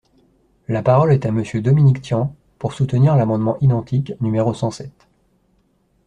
La parole est à Monsieur Dominique Tian, pour soutenir l’amendement identique numéro cent sept.